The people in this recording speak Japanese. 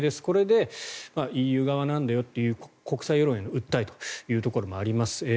これでＥＵ側なんだよという国際世論への訴えというところもあります。